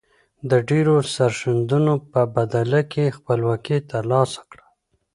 د ډیرو سرښندنو په بدله کې خپلواکي تر لاسه کړه.